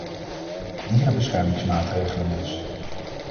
Dierenbeschermingsmaatregelen dus.